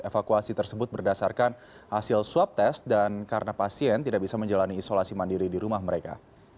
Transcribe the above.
evakuasi tersebut berdasarkan hasil swab test dan karena pasien tidak bisa menjalani isolasi mandiri di rumah mereka